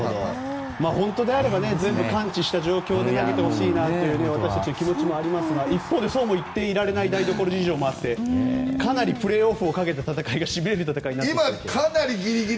本当であれば全部完治した状況で投げてほしいなと私たちの気持ちもありますが一方でそうも言ってられない事情もありましてかなりプレーオフをかけた戦いがしびれる感じに。